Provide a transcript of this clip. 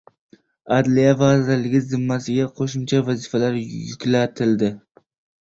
Adliya vazirligi zimmasiga qo‘shimcha vazifalar yuklatildi